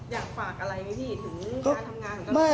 อยากฝากอะไรไหมพี่ถึงงานทำงานของเจ้า